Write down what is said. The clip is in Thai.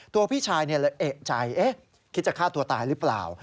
พี่ชายเลยเอกใจคิดจะฆ่าตัวตายหรือเปล่า